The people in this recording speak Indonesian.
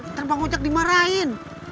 ntar bang ojak dimarahin